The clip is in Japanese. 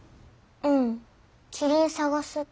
うんキリン探すって。